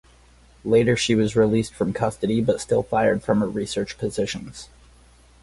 Later she was released from custody but still fired from her research positions.